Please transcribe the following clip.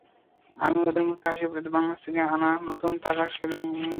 আমি ওদের মুখে হাসি ফোটাতে বাংলাদেশ থেকে আনা নতুন টাকা সেলামি দিই।